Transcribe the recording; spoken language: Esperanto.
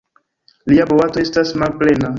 Lia boato estas malplena.